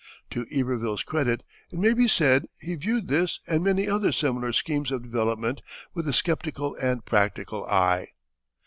To Iberville's credit, it may be said, he viewed this and many other similar schemes of development with a sceptical and practical eye.